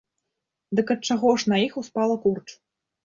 Дык ад чаго ж на іх успала курч?